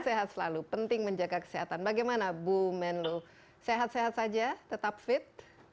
sehat selalu penting menjaga kesehatan bagaimana bu menlu sehat sehat saja tetap fit